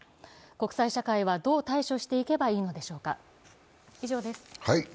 国際社会はどう対処していけばいいのでしょうか。